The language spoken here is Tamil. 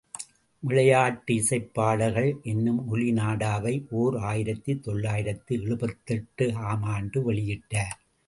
விளையாட்டு இசைப் பாடல்கள் என்னும் ஒலி நாடாவை ஓர் ஆயிரத்து தொள்ளாயிரத்து எழுபத்தெட்டு ஆம் ஆண்டு வெளியிட்டார்.